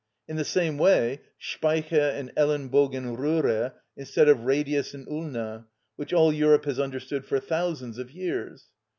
In the same way "Speiche" and "Ellenbogenröhre" instead of "radius" and "ulna," which all Europe has understood for thousands of years.